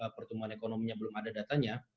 pertumbuhan ekonominya belum ada datanya